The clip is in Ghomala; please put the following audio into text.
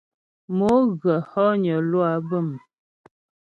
Mo ghə̀ hɔgnə lwâ bə̀m.